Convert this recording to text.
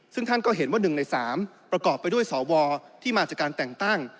ซึ่งท่านก็เห็นว่า๑ใน๓ประกอบไปด้วยสวที่มาจากการแต่งตั้ง